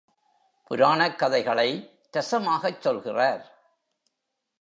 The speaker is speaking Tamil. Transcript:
புராணக் கதைகளை ரசமாகச் சொல்கிறார்.